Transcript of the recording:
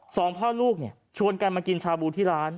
สองพ่อลูกเนี่ยชวนกันมากินชาบูที่ร้าน